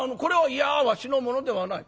「いやわしのものではない。